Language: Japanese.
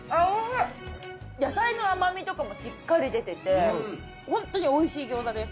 野菜の甘みとかもしっかり出ててホントにおいしい餃子です。